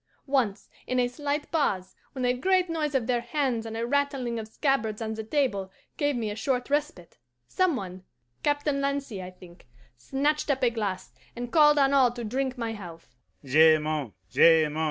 Once, in a slight pause, when a great noise of their hands and a rattling of scabbards on the table gave me a short respite, some one Captain Lancy, I think snatched up a glass, and called on all to drink my health.